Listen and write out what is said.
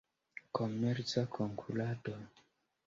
Komerca Konkurado.